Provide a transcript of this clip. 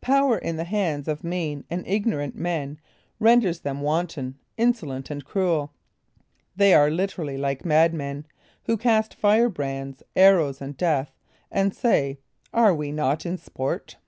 Power in the hands of mean and ignorant men renders them wanton, insolent and cruel. They are literally like madmen, who cast firebrands, arrows and death, and say, "Are not we in sport?"